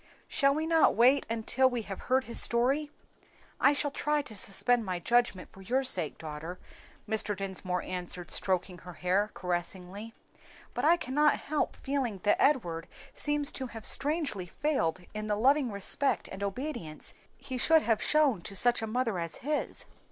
"Shall we not wait until we have heard his story?" "I shall try to suspend my judgment for your sake, daughter," Mr. Dinsmore answered, stroking her hair caressingly, "but I cannot help feeling that Edward seems to have strangely failed in the loving respect and obedience he should have shown to such a mother as his.